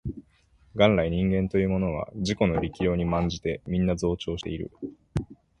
元来人間というものは自己の力量に慢じてみんな増長している